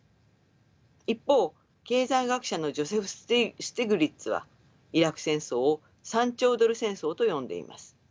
一方経済学者のジョセフ・スティグリッツはイラク戦争を３兆ドル戦争と呼んでいます。